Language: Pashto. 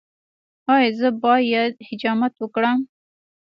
ایا زه باید حجامت وکړم؟